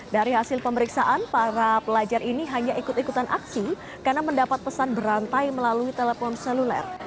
dari hasil pemeriksaan para pelajar ini hanya ikut ikutan aksi karena mendapat pesan berantai melalui telepon seluler